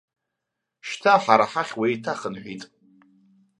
Шьҭа ҳара ҳахь уеиҭахынҳәит.